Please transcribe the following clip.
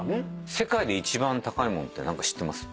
世界で一番高い物って何か知ってます？